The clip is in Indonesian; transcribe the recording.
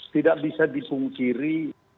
tidak bisa dipungkiri